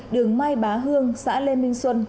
đường mai bá hương xã lê minh xuân